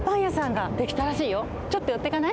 ちょっとよってかない？